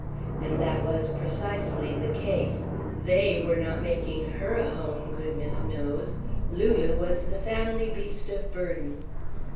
And that was precisely the case. They were not making her a home, goodness knows. Lulu was the family beast of burden.